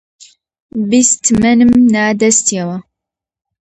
بیست تمەنم نا دەستییەوە